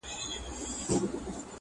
ما په اول ځل هم چنداني گټه ونه کړه.